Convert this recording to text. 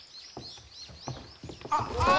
あっああ！